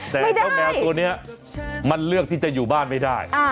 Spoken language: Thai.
แต่เจ้าแมวตัวนี้มันเลือกที่จะอยู่บ้านไม่ได้